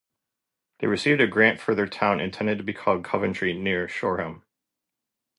They received a grant for a town, intended to be called "Coventry" near Shoreham.